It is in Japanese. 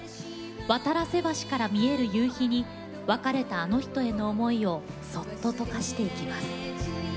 渡良瀬橋から見える夕日に別れたあの人への思いをそっと溶かしていきます。